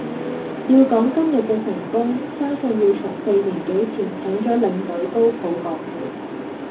要講今日嘅成功，相信要從四年幾前請咗領隊高普講起。